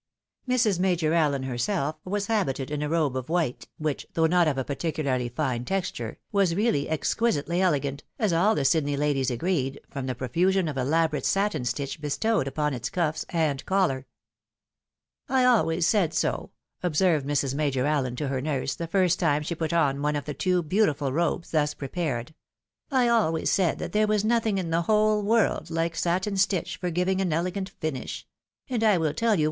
Mrs. Major Allen herself was habited in a robe of white, which, though not of a particularly fine texture, was really exquisitely elegant, as all the Sydney ladies agreed, from the profusion of elaborate satiu stitch bestowed upon its cuffs and collar. "I always said so," observed Mrs. Major AUen to her nurse, the first time she put on one of the two beautiful robes thus pre pared, " I always said that there was nothing m the whole world like satin stitch for giving an elegant finish ; and I will tell you 12 THE WIDOW MARRIED.